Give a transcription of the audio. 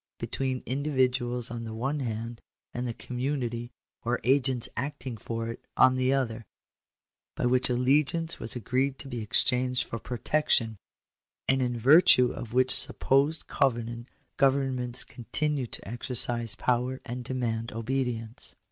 201 between individuals on the one hand, and the community, or agents acting for it, on the other, by which allegiance was agreed to be exchanged for protection ; and in virtue of which supposed covenant governments continue to exercise power and demand obedience.